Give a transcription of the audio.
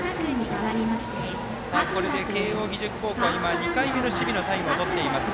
慶応義塾高校は２回目の守備のタイムをとっています。